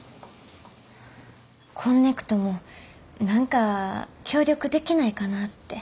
こんねくとも何か協力できないかなって。